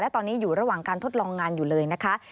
ตอนนี้อยู่ระหว่างการทดลองงานอยู่เลยนะคะ